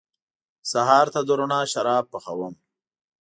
سهار ته د روڼا شراب پخوم